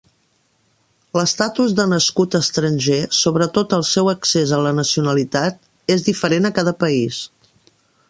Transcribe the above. L'estatus de nascut estranger, sobretot el seu accés a la nacionalitat, és diferent a cada país.